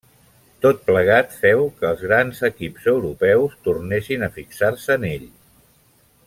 Tot plegat féu que els grans equips europeus tornessin a fixar-se en ell.